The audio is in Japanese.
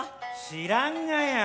「知らんがや。